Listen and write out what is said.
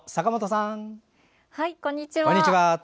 こんにちは。